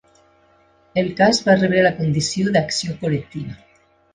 El cas va rebre la condició d'acció col·lectiva.